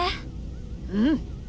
うん。